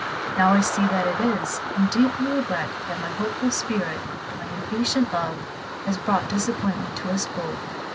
"Now I see that it is, and deeply regret that my hopeful spirit, my impatient love, has brought disappointment to us both.